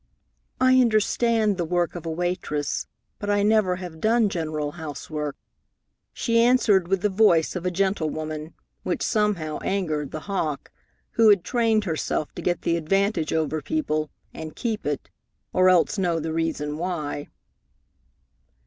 "I understand the work of a waitress, but I never have done general housework," she answered with the voice of a gentlewoman, which somehow angered the hawk, who had trained herself to get the advantage over people and keep it or else know the reason why.